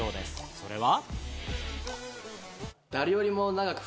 それは。